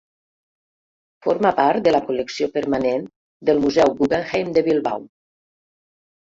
Forma part de la col·lecció permanent del museu Guggenheim de Bilbao.